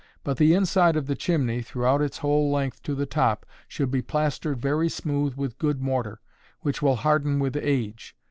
But the inside of the chimney, throughout its whole length to the top, should be plastered very smooth with good mortar, which will harden with age.